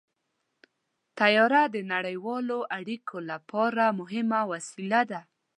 طیاره د نړیوالو اړیکو لپاره مهمه وسیله ده.